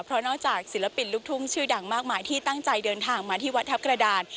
เพราะนอกจากศิลปินลูกทุ่งชื่อดังมากมายที่ตั้งใจเดินทางมาที่วัดทัพกระดาน